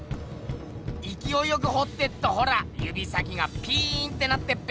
いきおいよくほってっとほらゆび先がピーンってなってっぺ。